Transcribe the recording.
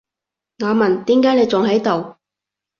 我問，點解你仲喺度？